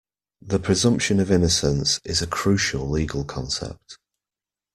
The presumption of innocence is a crucial legal concept.